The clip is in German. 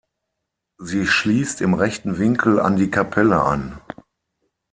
Sie schließt im rechten Winkel an die Kapelle an.